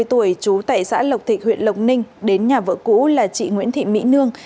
ba mươi tuổi trú tại xã lộc thịnh huyện lộc ninh đến nhà vợ cũ là chị nguyễn thị mỹ nương